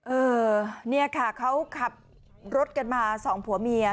เออเนี่ยค่ะเขาขับรถกันมาสองผัวเมีย